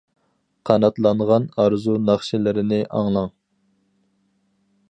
قاناتلانغان ئارزۇ ناخشىلىرىنى ئاڭلاڭ!